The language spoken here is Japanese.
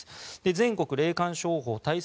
全国霊感商法対策